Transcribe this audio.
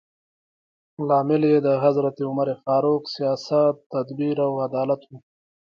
لامل یې د حضرت عمر فاروق سیاست، تدبیر او عدالت و.